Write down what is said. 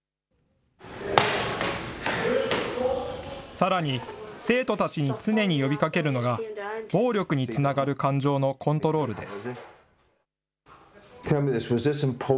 さらに生徒たちに常に呼びかけるのが、暴力につながる感情のコントロールです。